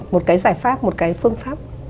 một cái giải pháp một cái phương pháp